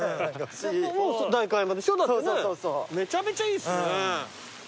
めちゃめちゃいいですね。